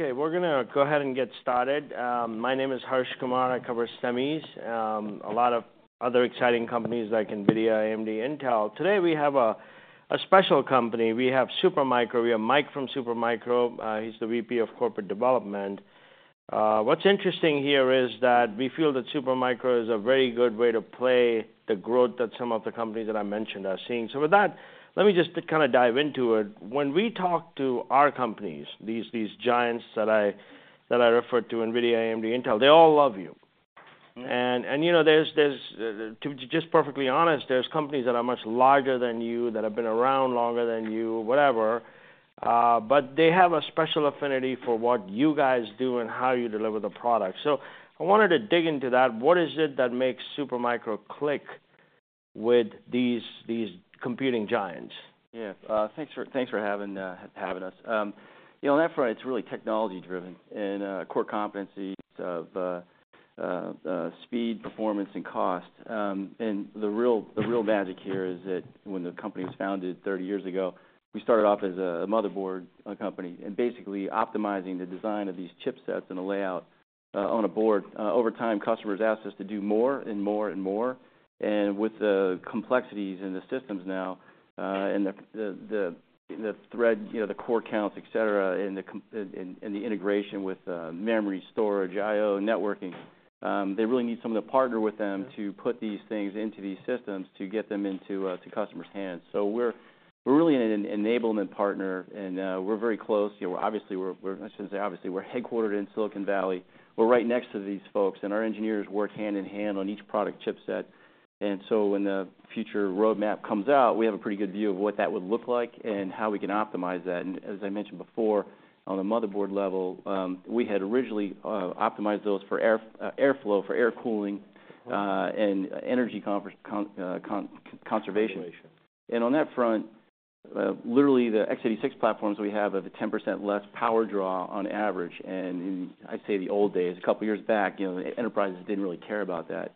Okay, we're gonna go ahead and get started. My name is Harsh Kumar. I cover semis, a lot of other exciting companies like NVIDIA, AMD, Intel. Today, we have a special company. We have Supermicro. We have Mike from Supermicro. He's the VP of Corporate Development. What's interesting here is that we feel that Supermicro is a very good way to play the growth that some of the companies that I mentioned are seeing. So with that, let me just kind of dive into it. When we talk to our companies, these giants that I referred to, NVIDIA, AMD, Intel, they all love you. You know, to just perfectly honest, there's companies that are much larger than you, that have been around longer than you, whatever, but they have a special affinity for what you guys do and how you deliver the product. So I wanted to dig into that. What is it that makes Supermicro click with these computing giants? Yeah. Thanks for having us. You know, on that front, it's really technology-driven and core competencies of speed, performance, and cost. And the real magic here is that when the company was founded 30 years ago, we started off as a motherboard company, and basically optimizing the design of these chipsets and the layout on a board. Over time, customers asked us to do more, and more, and more. And with the complexities in the systems now, and the thread, you know, the core counts, et cetera, and the integration with memory storage, I/O, networking, they really need someone to partner with them- Yeah... to put these things into these systems, to get them into to customers' hands. So we're really an enablement partner, and we're very close. You know, obviously, we're-- I shouldn't say obviously, we're headquartered in Silicon Valley. We're right next to these folks, and our engineers work hand-in-hand on each product chipset. And so when the future roadmap comes out, we have a pretty good view of what that would look like and how we can optimize that. And as I mentioned before, on the motherboard level, we had originally optimized those for air airflow, for air cooling, and energy conservation. Conservation. On that front, literally, the x86 platforms we have a 10% less power draw on average. In, I'd say, the old days, a couple of years back, you know, enterprises didn't really care about that.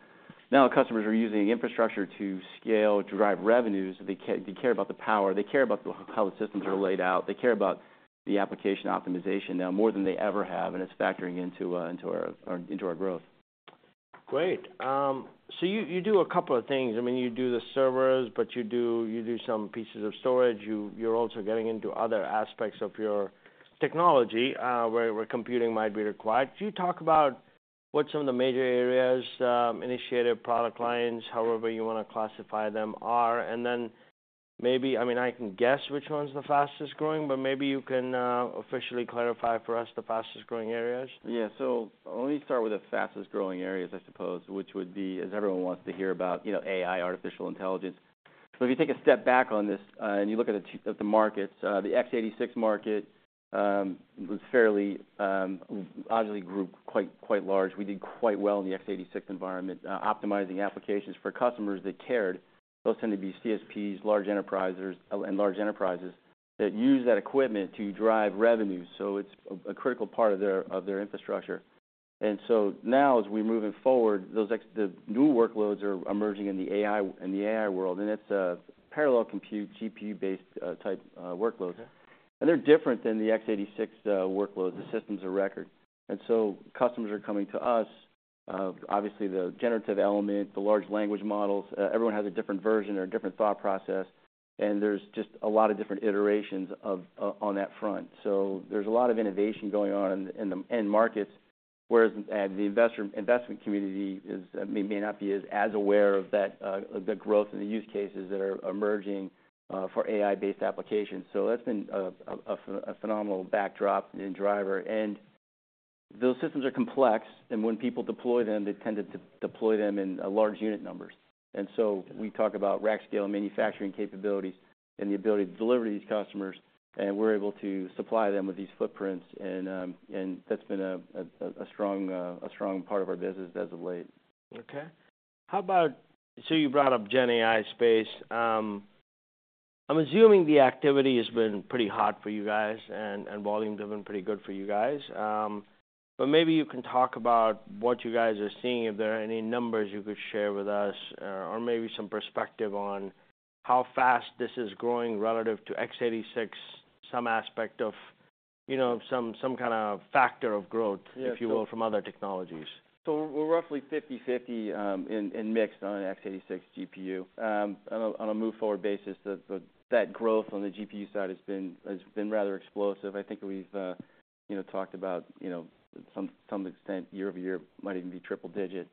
Now, customers are using infrastructure to scale, to drive revenues. They care about the power, they care about how the systems are laid out, they care about the application optimization now more than they ever have, and it's factoring into our growth. Great. So you, you do a couple of things. I mean, you do the servers, but you do, you do some pieces of storage. You, you're also getting into other aspects of your technology, where, where computing might be required. Could you talk about what some of the major areas, initiative, product lines, however you wanna classify them, are? And then maybe... I mean, I can guess which one's the fastest growing, but maybe you can, officially clarify for us the fastest growing areas. Yeah. So let me start with the fastest-growing areas, I suppose, which would be, as everyone wants to hear about, you know, AI, artificial intelligence. So if you take a step back on this, and you look at the markets, the x86 market was fairly obviously grew quite, quite large. We did quite well in the x86 environment, optimizing applications for customers that cared. Those tend to be CSPs, large enterprises, and large enterprises, that use that equipment to drive revenue, so it's a critical part of their infrastructure. And so now, as we're moving forward, the new workloads are emerging in the AI world, and it's a parallel compute, GPU-based type workloads. Yeah. They're different than the x86 workloads, the systems of record. So customers are coming to us, obviously, the generative element, the large language models, everyone has a different version or a different thought process, and there's just a lot of different iterations of on that front. So there's a lot of innovation going on in the markets, whereas and the investment community is may not be as aware of that, the growth and the use cases that are emerging for AI-based applications. So that's been a phenomenal backdrop and driver, and those systems are complex, and when people deploy them, they tend to deploy them in large unit numbers. And so we talk about rack scale manufacturing capabilities and the ability to deliver to these customers, and we're able to supply them with these footprints. That's been a strong part of our business as of late. Okay. How about... So you brought up Gen AI space. I'm assuming the activity has been pretty hot for you guys, and, and volume has been pretty good for you guys. But maybe you can talk about what you guys are seeing, if there are any numbers you could share with us, or maybe some perspective on how fast this is growing relative to x86, some aspect of, you know, some, some kind of factor of growth- Yeah... if you will, from other technologies. So we're roughly 50/50, in mixed on an x86 GPU. On a move-forward basis, that growth on the GPU side has been rather explosive. I think we've you know talked about you know some extent, year-over-year, might even be triple digit.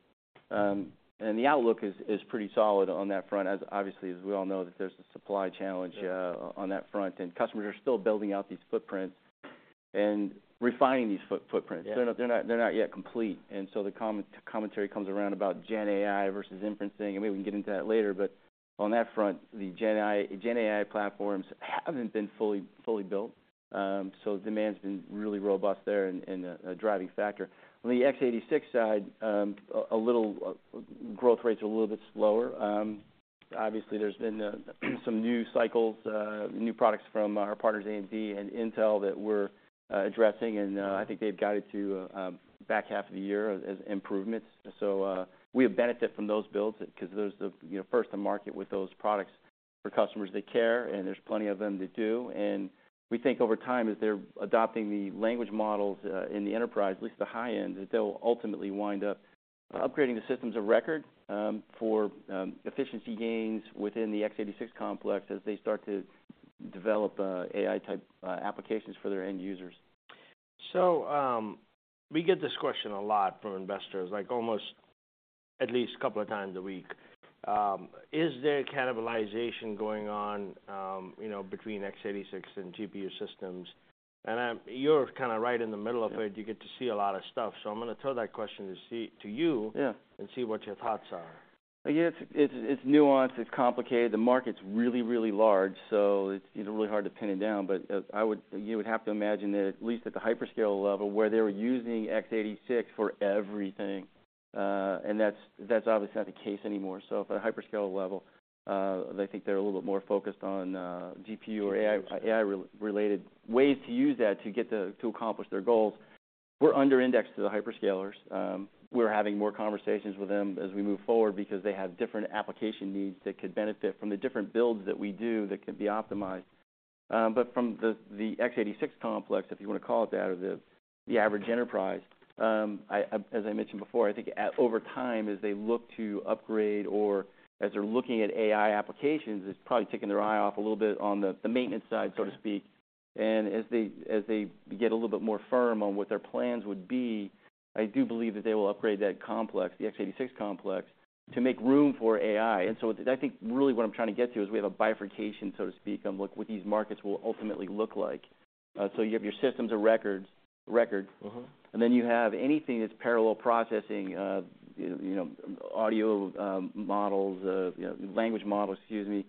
And the outlook is pretty solid on that front, as obviously, as we all know, that there's a supply challenge- Yeah... on that front, and customers are still building out these footprints and refining these footprints. Yeah. They're not yet complete, and so the commentary comes around about Gen AI versus inferencing, and maybe we can get into that later. But on that front, the Gen AI platforms haven't been fully built. So demand's been really robust there and a driving factor. On the x86 side, growth rates are a little bit slower. Obviously, there's been some new cycles, new products from our partners, AMD and Intel, that we're addressing, and I think they've guided to back half of the year as improvements. So we benefit from those builds because those are the, you know, first to market with those products... for customers that care, and there's plenty of them that do. And we think over time, as they're adopting the language models in the enterprise, at least the high end, that they'll ultimately wind up upgrading the systems of record for efficiency gains within the x86 complex as they start to develop AI-type applications for their end users. So, we get this question a lot from investors, like, almost at least a couple of times a week. Is there cannibalization going on, you know, between x86 and GPU systems? And you're kind of right in the middle of it. Yeah. You get to see a lot of stuff, so I'm gonna throw that question to you. Yeah and see what your thoughts are. Yeah, it's nuanced, it's complicated. The market's really, really large, so it's, you know, really hard to pin it down. But you would have to imagine that at least at the hyperscaler level, where they were using x86 for everything, and that's obviously not the case anymore. So from a hyperscaler level, I think they're a little bit more focused on GPU or AI-related ways to use that to accomplish their goals. We're under-indexed to the hyperscalers. We're having more conversations with them as we move forward because they have different application needs that could benefit from the different builds that we do, that can be optimized. But from the x86 complex, if you wanna call it that, or the average enterprise, as I mentioned before, I think over time, as they look to upgrade or as they're looking at AI applications, it's probably taking their eye off a little bit on the maintenance side, so to speak. And as they get a little bit more firm on what their plans would be, I do believe that they will upgrade that complex, the x86 complex, to make room for AI. And so I think really what I'm trying to get to is we have a bifurcation, so to speak, on like what these markets will ultimately look like. So you have your systems of records, record. Mm-hmm. And then you have anything that's parallel processing, you know, audio, models, you know, language models, excuse me,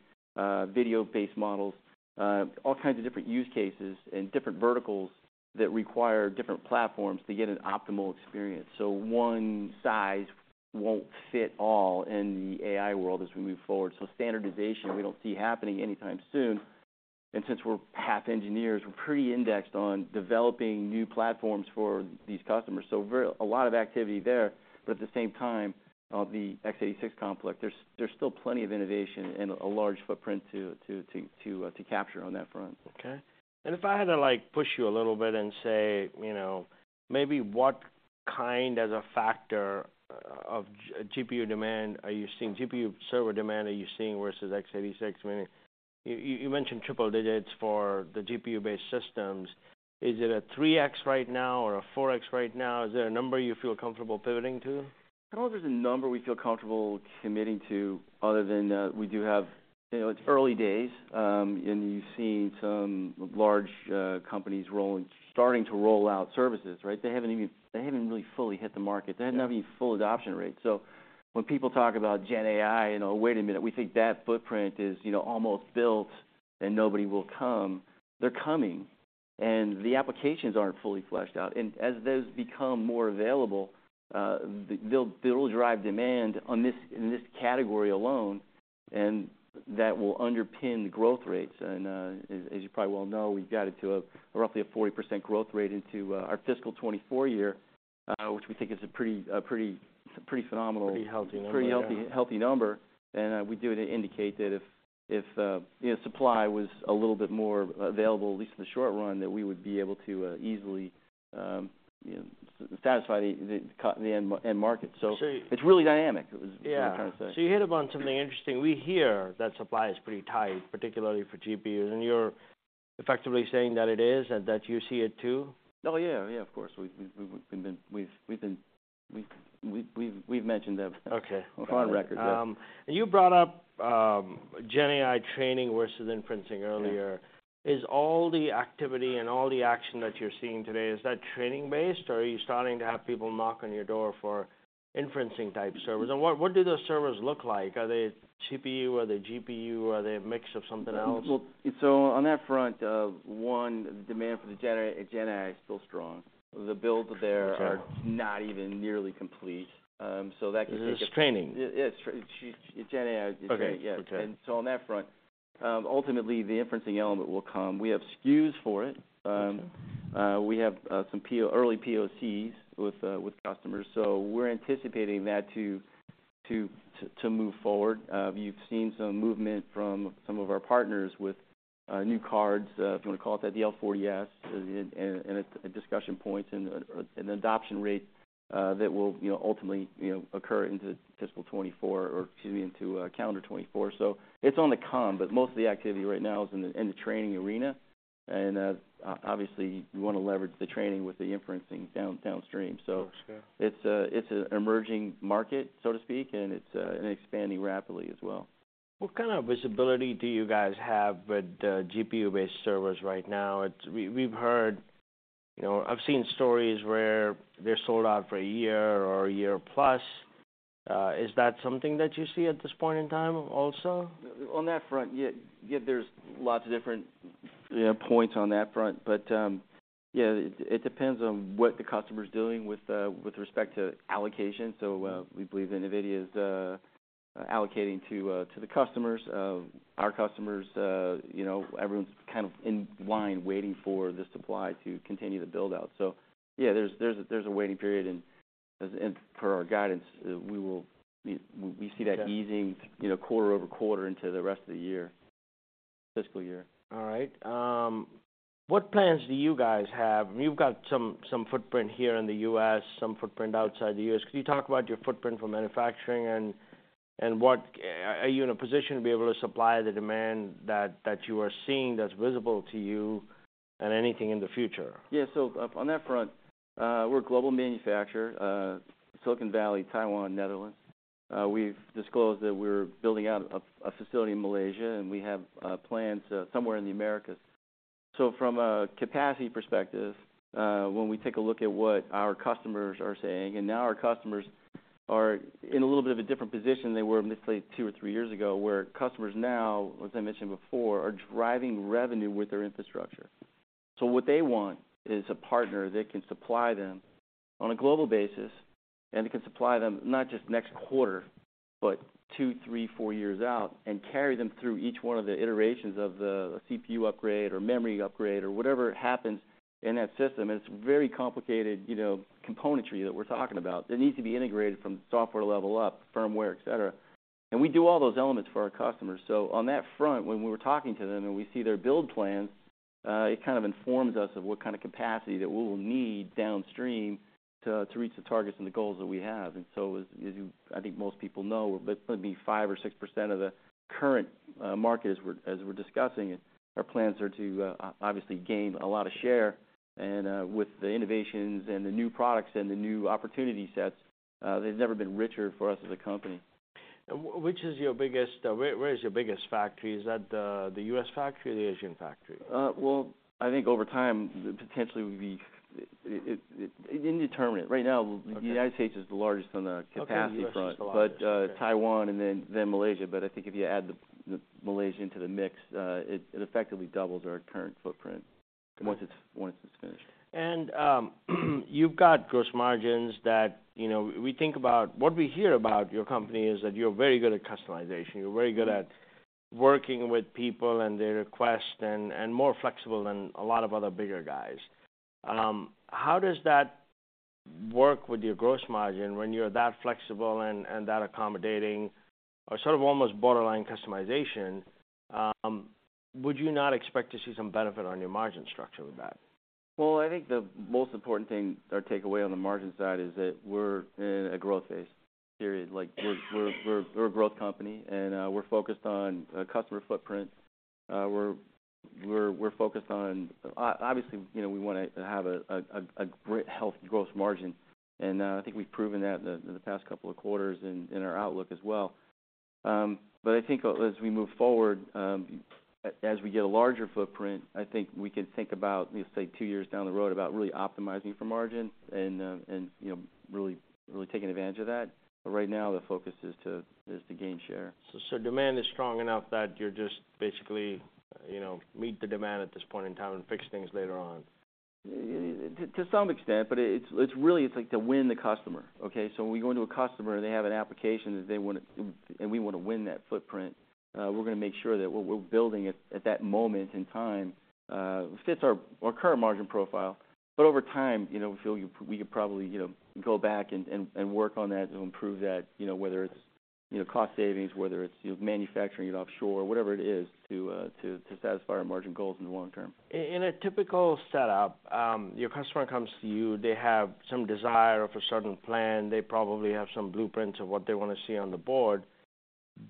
video-based models, all kinds of different use cases and different verticals that require different platforms to get an optimal experience. So one size won't fit all in the AI world as we move forward, so standardization, we don't see happening anytime soon. And since we're half engineers, we're pretty indexed on developing new platforms for these customers. So very a lot of activity there, but at the same time, the x86 complex, there's still plenty of innovation and a large footprint to capture on that front. Okay. And if I had to, like, push you a little bit and say, you know, maybe what kind, as a factor of GPU demand, are you seeing GPU server demand are you seeing versus x86? I mean, you mentioned triple digits for the GPU-based systems. Is it a 3x right now or a 4x right now? Is there a number you feel comfortable pivoting to? I don't know if there's a number we feel comfortable committing to other than, we do have... You know, it's early days, and you've seen some large companies starting to roll out services, right? They haven't They haven't really fully hit the market. Yeah. They haven't had any full adoption rate. So when people talk about Gen AI, you know, wait a minute, we think that footprint is, you know, almost built and nobody will come. They're coming, and the applications aren't fully fleshed out, and as those become more available, they'll, they'll drive demand on this, in this category alone, and that will underpin the growth rates. And, as, as you probably well know, we've got it to a roughly a 40% growth rate into, our fiscal 2024 year, which we think is a pretty, a pretty, pretty phenomenal- Pretty healthy number, yeah. Pretty healthy, healthy number. We do indicate that if you know, supply was a little bit more available, at least in the short run, that we would be able to easily, you know, satisfy the end market. So- It's really dynamic. Yeah... I'm trying to say. So you hit upon something interesting. We hear that supply is pretty tight, particularly for GPUs, and you're effectively saying that it is, and that you see it too? Oh, yeah. Yeah, of course, we've mentioned that- Okay... on record. You brought up Gen AI training versus inferencing earlier. Yeah. Is all the activity and all the action that you're seeing today, is that training based, or are you starting to have people knock on your door for inferencing-type servers? And what, what do those servers look like? Are they CPU? Are they GPU? Are they a mix of something else? Well, so on that front, one, the demand for the Gen AI, Gen AI is still strong. The builds there- Okay... are not even nearly complete. So that could take- This is training? Yeah, it's GenAI. Okay. Yes. Okay. And so on that front, ultimately, the inferencing element will come. We have SKUs for it. Okay. We have some early POCs with customers, so we're anticipating that to move forward. You've seen some movement from some of our partners with new cards, if you wanna call it that, the L40S, and a discussion point and an adoption rate that will, you know, ultimately, you know, occur into fiscal 2024, or excuse me, into calendar 2024. So it's on the come, but most of the activity right now is in the training arena, and obviously, we wanna leverage the training with the inferencing downstream. Okay. So it's an emerging market, so to speak, and it's expanding rapidly as well. What kind of visibility do you guys have with the GPU-based servers right now? We've heard... You know, I've seen stories where they're sold out for a year or a year plus. Is that something that you see at this point in time also? On that front, yeah. Yeah, there's lots of different, you know, points on that front, but yeah, it depends on what the customer's doing with respect to allocation. So, we believe NVIDIA is allocating to the customers, our customers, you know, everyone's kind of in line waiting for the supply to continue the build-out. So yeah, there's a waiting period, and 'cause for our guidance, we will, we see that- Yeah -easing, you know, quarter-over-quarter into the rest of the year, fiscal year. All right. What plans do you guys have? You've got some, some footprint here in the U.S., some footprint outside the U.S. Can you talk about your footprint for manufacturing and, and what are you in a position to be able to supply the demand that, that you are seeing, that's visible to you, and anything in the future? Yeah. So, on that front, we're a global manufacturer, Silicon Valley, Taiwan, Netherlands. We've disclosed that we're building out a facility in Malaysia, and we have plans somewhere in the Americas. So from a capacity perspective, when we take a look at what our customers are saying, and now our customers are in a little bit of a different position they were, let's say, two or three years ago, where customers now, as I mentioned before, are driving revenue with their infrastructure. So what they want is a partner that can supply them on a global basis and can supply them not just next quarter, but two, three, four years out, and carry them through each one of the iterations of the CPU upgrade or memory upgrade or whatever happens in that system. It's very complicated, you know, componentry that we're talking about. It needs to be integrated from software level up, firmware, et cetera. We do all those elements for our customers. On that front, when we were talking to them and we see their build plans, it kind of informs us of what kind of capacity that we will need downstream to reach the targets and the goals that we have. As you... I think most people know, but maybe 5% or 6% of the current market, as we're discussing it, our plans are to obviously gain a lot of share. With the innovations and the new products and the new opportunity sets, they've never been richer for us as a company. Where is your biggest factory? Is that the U.S. factory or the Asian factory? Well, I think over time, potentially, we would be it, indeterminate. Right now- Okay... the United States is the largest on the capacity front. Okay, U.S. is the largest. But, Taiwan, and then Malaysia, but I think if you add the Malaysia into the mix, it effectively doubles our current footprint- Got it ... once it's once it's finished. You've got gross margins that, you know, we think about. What we hear about your company is that you're very good at customization. You're very good at working with people and their requests and more flexible than a lot of other bigger guys. How does that work with your gross margin when you're that flexible and that accommodating, or sort of almost borderline customization? Would you not expect to see some benefit on your margin structure with that? Well, I think the most important thing or takeaway on the margin side is that we're in a growth phase, period. Like, we're a growth company, and we're focused on customer footprint. We're focused on... Obviously, you know, we want to have a great healthy gross margin, and I think we've proven that in the past couple of quarters, in our outlook as well. But I think as we move forward, as we get a larger footprint, I think we could think about, let's say, two years down the road, about really optimizing for margin and, you know, really taking advantage of that. But right now, the focus is to gain share. So, demand is strong enough that you're just basically, you know, meet the demand at this point in time and fix things later on? To some extent, but it's really like to win the customer, okay? So when we go into a customer, and they have an application that they want to... We want to win that footprint. We're going to make sure that what we're building at that moment in time fits our current margin profile. But over time, you know, we feel we could probably, you know, go back and work on that to improve that, you know, whether it's, you know, cost savings, whether it's manufacturing it offshore, whatever it is, to satisfy our margin goals in the long term. In a typical setup, your customer comes to you, they have some desire of a certain plan. They probably have some blueprints of what they want to see on the board.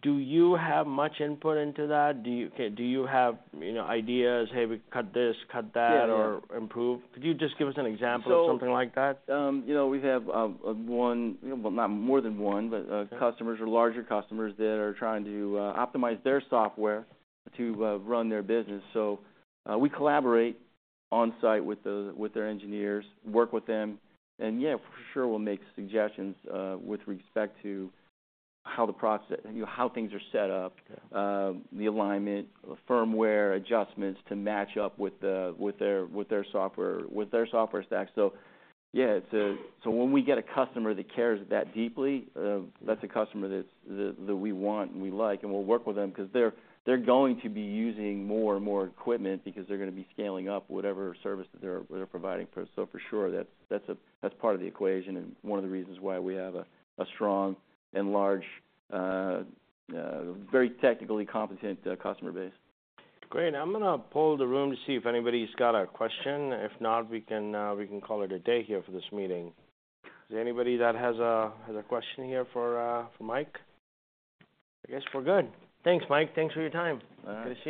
Do you have much input into that? Do you... Okay, do you have, you know, ideas, "Hey, we cut this, cut that- Yeah - or improve?" Could you just give us an example of something like that? You know, we have one, well, not more than one, but- Okay... customers or larger customers that are trying to optimize their software to run their business. So, we collaborate on-site with their engineers, work with them, and yeah, for sure, we'll make suggestions with respect to how the process, you know, how things are set up- Okay The alignment, the firmware adjustments to match up with their software stack. So yeah, when we get a customer that cares that deeply, that's a customer that we want and we like, and we'll work with them because they're going to be using more and more equipment because they're going to be scaling up whatever service that they're providing for us. So for sure, that's part of the equation and one of the reasons why we have a strong and large, very technically competent customer base. Great. I'm gonna poll the room to see if anybody's got a question. If not, we can, we can call it a day here for this meeting. Is there anybody that has a, has a question here for, for Mike? I guess we're good. Thanks, Mike. Thanks for your time. All right. Good to see you.